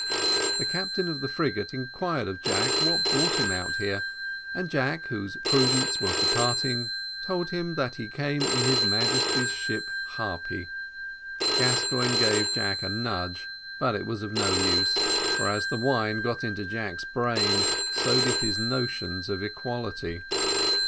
The captain of the frigate inquired of Jack what brought him out here, and Jack, whose prudence was departing, told him that he came in his Majesty's ship Harpy. Gascoigne gave Jack a nudge, but was of no use, for as the wine got into Jack's brain, so did his notions of equality.